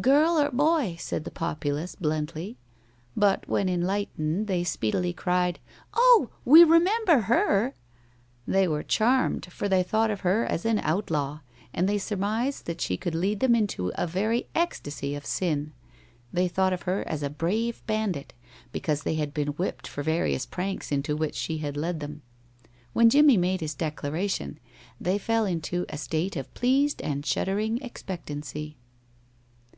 "Girl or boy?" said the populace, bluntly; but, when enlightened, they speedily cried, "Oh, we remember her!" They were charmed, for they thought of her as an outlaw, and they surmised that she could lead them into a very ecstasy of sin. They thought of her as a brave bandit, because they had been whipped for various pranks into which she had led them. When Jimmie made his declaration, they fell into a state of pleased and shuddering expectancy.